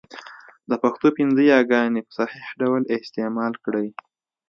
د پښتو پنځه یاګاني ی، ي، ې، ۍ، ئ په صحيح ډول استعمال کړئ!